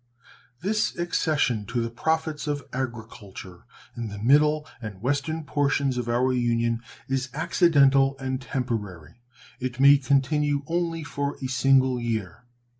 This accession to the profits of agriculture in the middle and western portions of our Union is accidental and temporary. It may continue only for a single year.